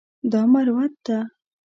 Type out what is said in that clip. دا مروت ده.